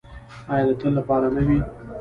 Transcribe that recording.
آیا د تل لپاره نه وي؟